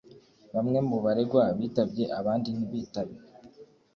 bamwe mu baregwa bitabye abandi ntibitabe